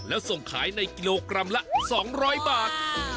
แล้วส่งขายในกิโลกรัมละ๒๐๐บาท